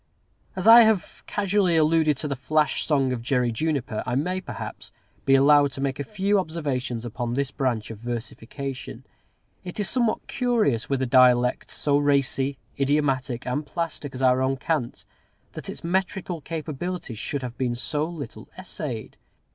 As I have casually alluded to the flash song of Jerry Juniper, I may, perhaps, be allowed to make a few observations upon this branch of versification. It is somewhat curious, with a dialect so racy, idiomatic, and plastic as our own cant, that its metrical capabilities should have been so little essayed.